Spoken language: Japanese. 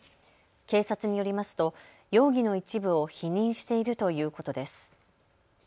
警察によりますと容疑の一部を否認しているということです。